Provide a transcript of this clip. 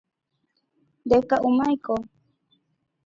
Ndeka'úmaiko.